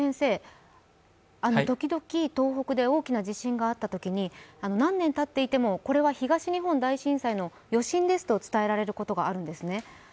時々東北で大きな地震があったときに何年たっていても、これは東日本大震災の余震ですと伝えられることがあるんですね。